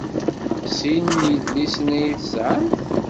Sin n yidlisen ay tesɛamt?